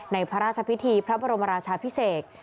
พระราชพิธีพระบรมราชาพิเศษ